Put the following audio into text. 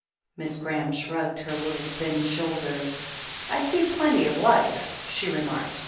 Miss Graham shrugged her little thin shoulders. "I see plenty of life," she remarked.